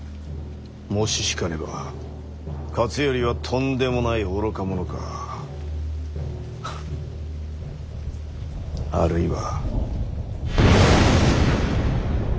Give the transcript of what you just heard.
もし引かねば勝頼はとんでもない愚か者かハッあるいは。